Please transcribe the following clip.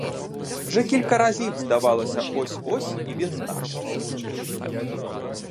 Вже кілька разів здавалося ось-ось, і він наш.